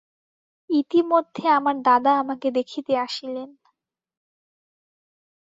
ইতিমধ্যে আমার দাদা আমাকে দেখিতে আসিলেন।